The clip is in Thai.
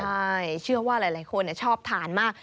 ใช่เชื่อว่าหลายคนชอบทานมาก